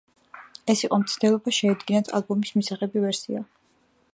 ეს იყო მცდელობა, შეედგინათ ალბომის მისაღები ვერსია.